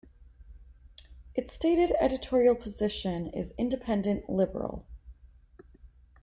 Its stated editorial position is "independent liberal".